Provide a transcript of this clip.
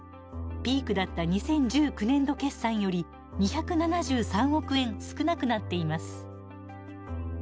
ピークだった２０１９年度決算より２７３億円少なくなっています。